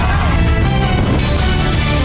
วันนี้ไปเสนอ